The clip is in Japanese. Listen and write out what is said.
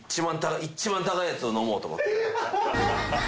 一番高いやつを飲もうと思って。